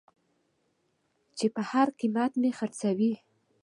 چې په هر قېمت مې خرڅوې.